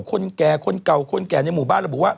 คนแก่คนเก่าคนแก่ในหมู่บ้าน